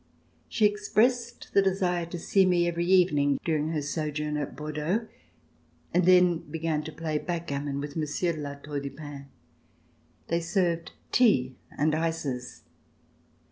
She expressed the desire to see me every evening during her sojourn at Bordeaux, and then began to play backgammon with Monsieur de La Tour du Pin. They served tea and ices.